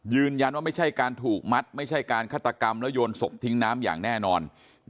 ไม่ใช่การถูกมัดไม่ใช่การฆาตกรรมแล้วโยนศพทิ้งน้ำอย่างแน่นอน